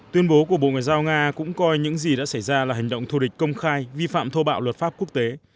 tuyên bố của bộ ngoại giao nga cũng coi những gì đã xảy ra là hành động thù địch công khai vi phạm thô bạo luật pháp quốc tế